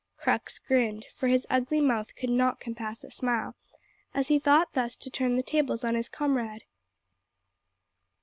Crux grinned for his ugly mouth could not compass a smile as he thought thus to turn the tables on his comrade.